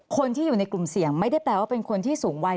คนที่อยู่ในกลุ่มเสี่ยงไม่ได้แปลว่าเป็นคนที่สูงวัย